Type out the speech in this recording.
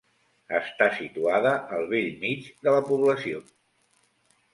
Està situada al bell mig de la població.